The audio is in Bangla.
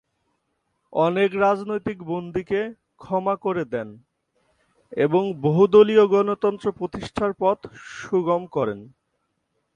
অনেক রাজনৈতিক বন্দীকে ক্ষমা করে দেন এবং বহুদলীয় গণতন্ত্র প্রতিষ্ঠার পথ সুগম করেন।